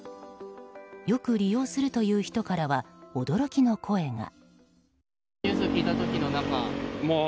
よく利用するという人からは驚きの声が。